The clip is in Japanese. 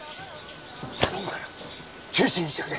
頼むから中止にしてくれ。